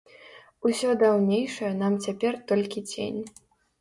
Усё даўнейшае нам цяпер толькі цень.